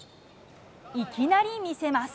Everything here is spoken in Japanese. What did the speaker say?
いきなり見せます。